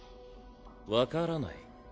「分からない」。